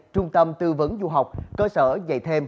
trung tâm tư vấn du học cơ sở dạy thêm